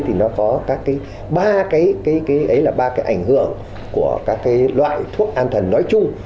thì nó có ba cái ảnh hưởng của các cái loại thuốc an thần nói chung